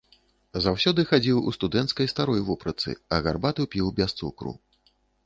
Заўсёды хадзіў у студэнцкай старой вопратцы, а гарбату піў без цукру.